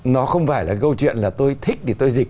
nó không phải là câu chuyện là tôi thích thì tôi dịch